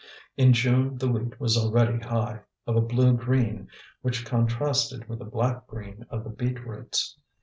In June the wheat was already high, of a blue green, which contrasted with the black green of the beetroots.